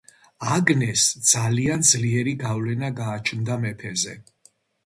აგნესს ძალიან ძლიერი გავლენა გააჩნდა მეფეზე.